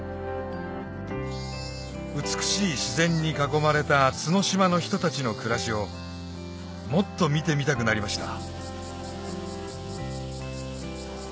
美しい自然に囲まれた角島の人たちの暮らしをもっと見てみたくなりました